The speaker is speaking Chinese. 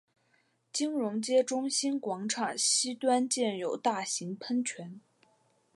金融街中心广场西端建有大型喷泉。